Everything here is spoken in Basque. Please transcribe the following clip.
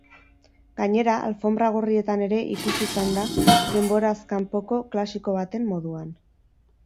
Gainera, alfonbra gorrietan ere ikusi izan da denborazkanpoko klasiko baten moduan.